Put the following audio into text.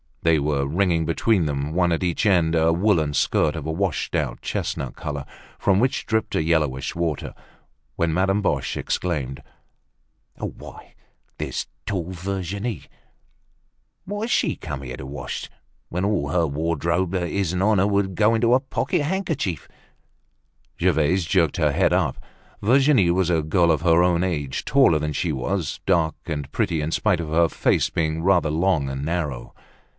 They were wringing between them, one at each end, a woolen skirt of a washed out chestnut color, from which dribbled a yellowish water, when Madame Boche exclaimed: "Why, there's tall Virginie! What has she come here to wash, when all her wardrobe that isn't on her would go into a pocket handkerchief?" Gervaise jerked her head up. Virginie was a girl of her own age, taller than she was, dark and pretty in spite of her face being rather long and narrow.